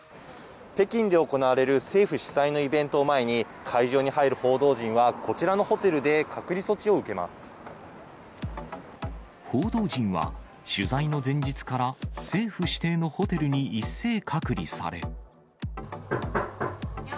北京で行われる政府主催のイベントを前に、会場に入る報道陣は、こちらのホテルで隔離措置を報道陣は、取材の前日から政府指定のホテルに一斉隔離され。